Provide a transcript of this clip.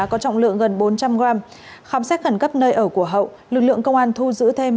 có trọng lượng gần bốn trăm linh g khám xét khẩn cấp nơi ở của hậu lực lượng công an thu giữ thêm